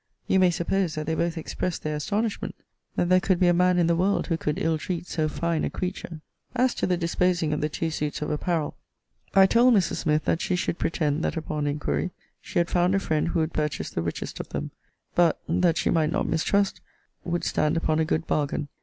You may suppose that they both expressed their astonishment, that there could be a man in the world who could ill treat so fine a creature. As to the disposing of the two suits of apparel, I told Mrs. Smith that she should pretend that, upon inquiry, she had found a friend who would purchase the richest of them; but (that she might not mistrust) would stand upon a good bargain.